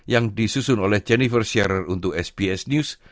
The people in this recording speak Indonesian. yang disusun oleh jennifer scherer untuk sbs news